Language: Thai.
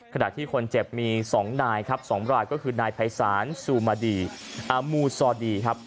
ขณะที่คนเจ็บมี๒นายครับ๒รายก็คือนายภัยศาลซูมาดีมูซอดีครับ